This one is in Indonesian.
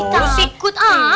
lu sikut ah